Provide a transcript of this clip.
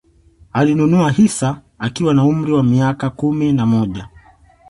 Alinunua hisa akiwa na umri wa miaka kumi na moja